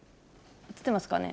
映ってますかね？